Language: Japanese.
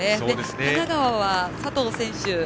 神奈川は佐藤選手